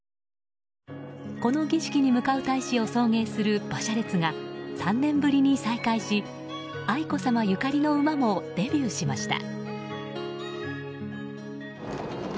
この儀式に向かう大使を送迎する馬車列が３年ぶりに再開し愛子さまゆかりの馬もデビューしました。